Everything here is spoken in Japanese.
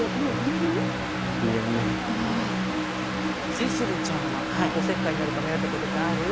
聖秋流ちゃんはおせっかいになるか迷ったことってある？